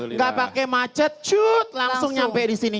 nggak pakai macet cut langsung nyampe di sini